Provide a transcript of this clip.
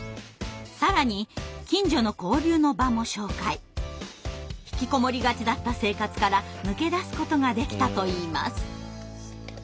更に引きこもりがちだった生活から抜け出すことができたといいます。